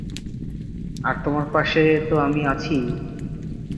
আর তোমার পাশে তো আমি আছি ই।